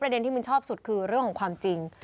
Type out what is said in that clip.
ประเด็นที่มึงชอบสุดคือเรื่องของความจริง